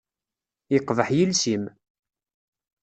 Yeqbeḥ yiles-im.